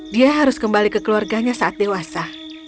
dia harus kembali ke keluarganya saat dewasa